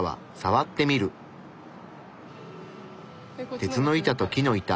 鉄の板と木の板。